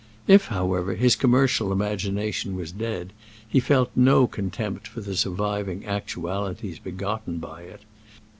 If, however, his commercial imagination was dead, he felt no contempt for the surviving actualities begotten by it.